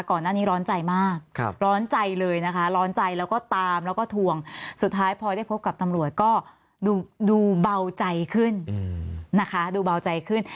ก่อนหน้านี้ร้อนใจมากร้อนใจเลยนะคะร้อนใจแล้วก็ตามแล้วก็ทวงสุดท้ายพอได้พบกับตำรวจก็ดูเบาใจขึ้นนะคะดูเบาใจขึ้น